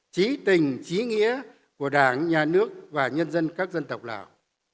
trí tình trí nghĩa của đảng nhà nước và nhân dân các dân tộc lào